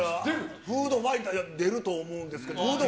フードファイターに出ると思うんですけど。